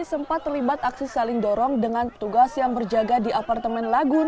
sempat terlibat aksi saling dorong dengan petugas yang berjaga di apartemen lagun